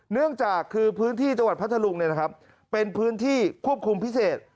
เนื่องจากคือพื้นที่จังหวัดพัทธลุงเป็นพื้นที่ควบคุมพิเศษ